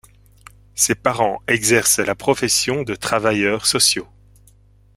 Ses parents exercent la profession de travailleurs sociaux.